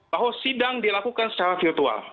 bahwa sidang dilakukan secara virtual